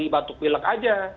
batuk pilek aja